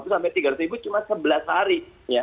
dua ratus lima puluh sampai tiga ratus ribu cuma sebelas hari